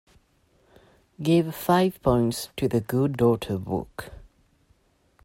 Give five points to The Good Daughter book